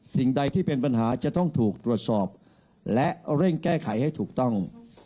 สิ่งใดที่เป็นปัญหาจะต้องถูกตรวจสอบและเร่งแก้ไขให้ถูกต้อง